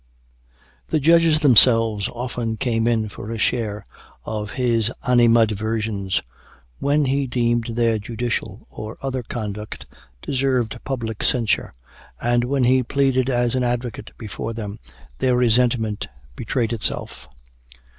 The judges themselves often came in for a share of his animadversions, when he deemed their judicial or other conduct deserved public censure; and when he pleaded as an advocate before them, their resentment betrayed itself.